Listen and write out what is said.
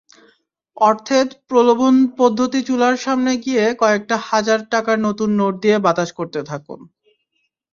অর্থের প্রলোভনপদ্ধতিচুলার সামনে গিয়ে কয়েকটা হাজার টাকার নতুন নোট দিয়ে বাতাস করতে থাকুন।